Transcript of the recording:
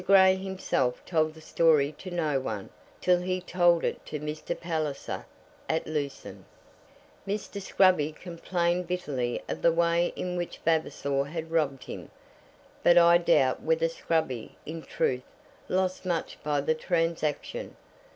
Grey himself told the story to no one, till he told it to Mr. Palliser at Lucerne. Mr. Scruby complained bitterly of the way in which Vavasor had robbed him; but I doubt whether Scruby, in truth, lost much by the transaction.